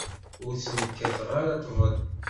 Ur sen-kkateɣ ara ṭṭbel.